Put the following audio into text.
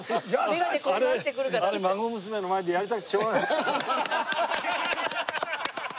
あれあれ孫娘の前でやりたくてしょうがなかった。